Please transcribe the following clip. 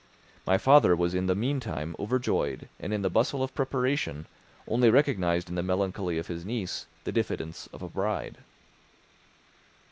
My father was in the meantime overjoyed, and, in the bustle of preparation, only recognised in the melancholy of his niece the diffidence of a bride.